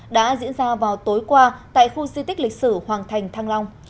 đã diễn ra vào tối qua tại khu di tích lịch sử hoàng thành thăng long